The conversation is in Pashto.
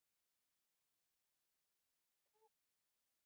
ازادي راډیو د د ماشومانو حقونه د اغیزو په اړه مقالو لیکلي.